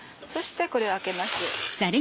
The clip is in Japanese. そしてこれをあけます。